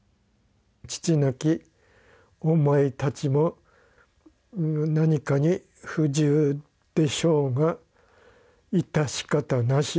「父なきお前たちも何かに不自由でしょうが致し方なし」